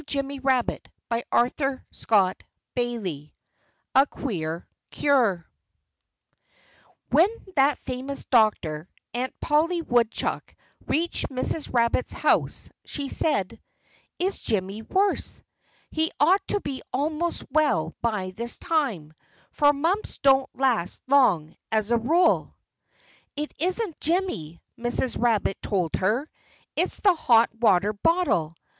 [Illustration: 20 A Queer Cure] 20 A Queer Cure When that famous doctor, Aunt Polly Woodchuck, reached Mrs. Rabbit's house, she said: "Is Jimmy worse? He ought to be almost well by this time; for mumps don't last long, as a rule." "It isn't Jimmy," Mrs. Rabbit told her. "It's the hot water bottle!